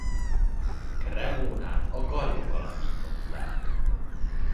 Cremonát a gallok alapították.